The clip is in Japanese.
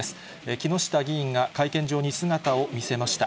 木下議員が会見場に姿を見せました。